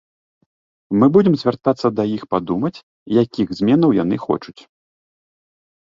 Мы будзем звяртацца да іх падумаць, якіх зменаў яны хочуць.